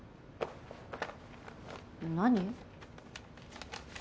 何？